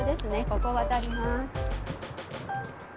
ここ渡ります。